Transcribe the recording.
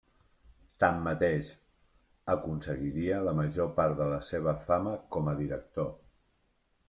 Tanmateix, aconseguiria la major part de la seva fama com a director.